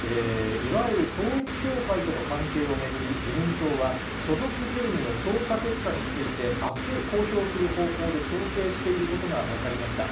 いわゆる統一教会との関係を巡り、自民党は、所属議員の調査結果について、あす、公表する方向で調整していることが分かりました。